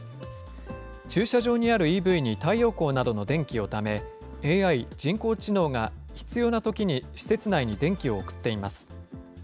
駐車場にあるＥＶに太陽光などの電気をため、ＡＩ・人工知能が必要なときに施設内に電気を送っています。